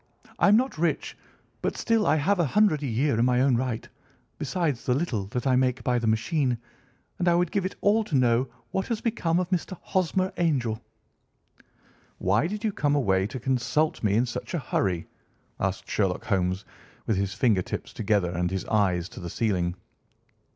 I'm not rich, but still I have a hundred a year in my own right, besides the little that I make by the machine, and I would give it all to know what has become of Mr. Hosmer Angel." "Why did you come away to consult me in such a hurry?" asked Sherlock Holmes, with his finger tips together and his eyes to the ceiling.